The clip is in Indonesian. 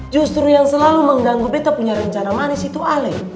justru yang selalu mengganggu kita punya rencana manis itu ale